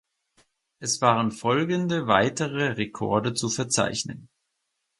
Es waren folgende weitere Rekorde zu verzeichnen.